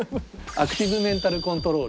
アクティブメンタルコントロール。